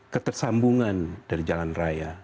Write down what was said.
ketersambungan dari jalan raya